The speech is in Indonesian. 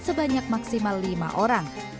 sebanyak maksimal lima orang